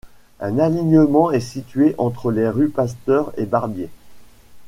Un alignement est situé entre les rues Pasteur et Barbier.